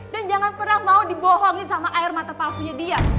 dan jangan pernah mau dibohongin sama air mata palsunya dia